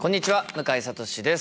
向井慧です。